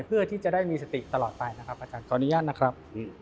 เพื่อที่จะได้มีสติตลอดไปนะครับอาจารย์ขออนุญาตนะครับ